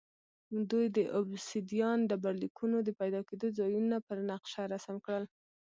دوی د اوبسیدیان ډبرلیکونو د پیدا کېدو ځایونه پر نقشه رسم کړل